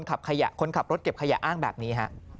คนขับรถเก็บขยะอ้างแบบนี้ฮะ